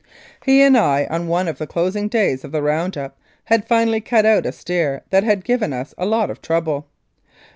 He and I, on one of the closing days of the round up, had finally cut out a steer that had given us a lot of trouble.